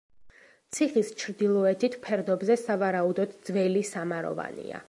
ციხის ჩრდილოეთით, ფერდობზე, სავარაუდოდ, ძველი სამაროვანია.